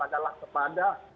kalau katakanlah kepada